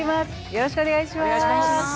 よろしくお願いします。